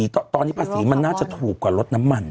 ตอนนี้ภาษีมันน่าจะถูกกว่าลดน้ำมัน